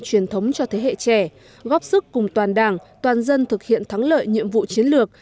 truyền thống cho thế hệ trẻ góp sức cùng toàn đảng toàn dân thực hiện thắng lợi nhiệm vụ chiến lược